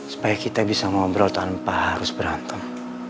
supaya kita bisa ngobrol tanpa harus berantem